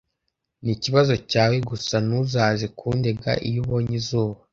nikibazo cyawe. Gusa ntuzaze kundega iyo ubonye izuba.